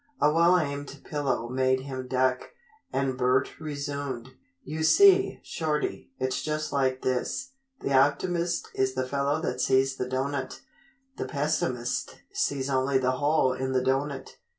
A well aimed pillow made him duck, and Bert resumed: "You see, Shorty, it's just like this: The optimist is the fellow that sees the doughnut. The pessimist sees only the hole in the doughnut.